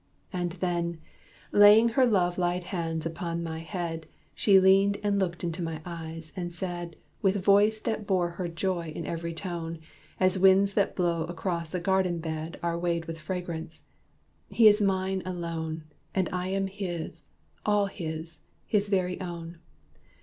And then, Laying her love light hands upon my head, She leaned, and looked into my eyes, and said With voice that bore her joy in ev'ry tone, As winds that blow across a garden bed Are weighed with fragrance, "He is mine alone, And I am his all his his very own.